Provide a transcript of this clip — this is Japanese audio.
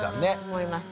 思います。